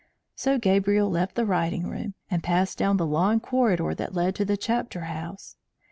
So Gabriel left the writing room and passed down the long corridor that led to the chapter house.